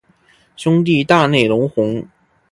兄弟大内隆弘。